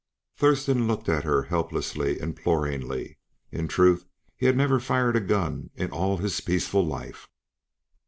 Thurston looked at her helplessly, imploringly. In truth, he had never fired a gun in all his peaceful life.